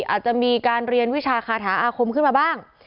อาจจะมีการเรียนวิชาคาถาอาคมขึ้นมาบ้าง